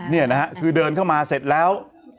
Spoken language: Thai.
นี่นะฮะคือเดินเข้ามาเสร็จแล้ว